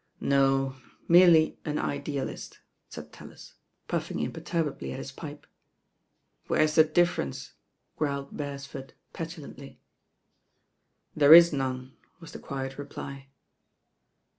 "No, merely an idealist," said TaUis, puffing im perturbably at his pipe. "Where's the difference?" growled Beresford, petulantly. "There is none," was the quiet reply.